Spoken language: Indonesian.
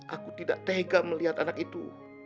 aku tidak tega melihat anak itu